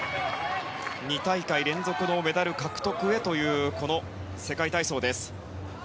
２大会連続のメダル獲得へという世界体操です。